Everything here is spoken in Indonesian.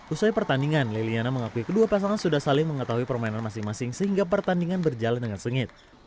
usai pertandingan liliana mengakui kedua pasangan sudah saling mengetahui permainan masing masing sehingga pertandingan berjalan dengan sengit